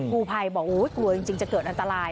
กูภัยบอกกลัวจริงจะเกิดอันตราย